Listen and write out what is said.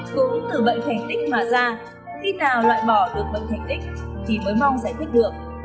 cũng từ bệnh thành tích mà ra khi nào loại bỏ được bệnh thành tích thì mới mong giải quyết được